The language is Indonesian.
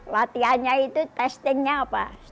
latihannya itu testingnya apa